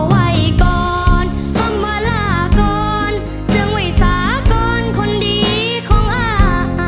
เหมือนตัวกลัวล่ามไงผมรู้อะ